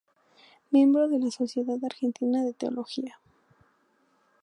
Miembro de la Sociedad Argentina de Teología.